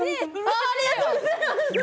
ありがとうございます。